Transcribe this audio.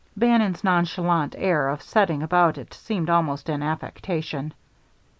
Bannon's nonchalant air of setting about it seemed almost an affectation.